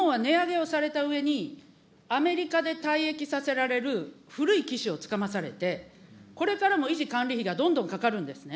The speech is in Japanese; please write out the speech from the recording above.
日本は値上げをされたうえに、アメリカで退役させられる古い機種をつかまされて、これからも維持・管理費がどんどんかかるんですね。